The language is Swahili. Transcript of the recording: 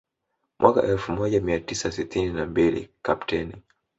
Mwaka elfu moja mia tisa sitini na mbili Kapteni